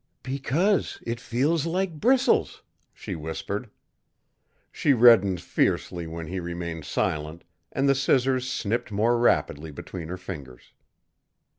"Because it feels like bristles," she whispered. She reddened fiercely when he remained silent, and the scissors snipped more rapidly between her fingers.